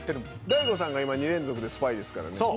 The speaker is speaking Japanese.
大悟さんが今２連続でスパイですからね。